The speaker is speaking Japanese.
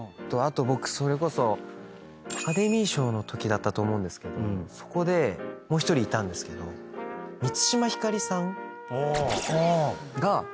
あと僕それこそアカデミー賞のときだったと思うんですけどそこでもう１人いたんですけど満島ひかりさんが。